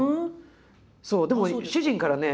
そうでも主人からね